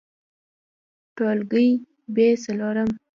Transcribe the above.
ټولګى : ب څلورم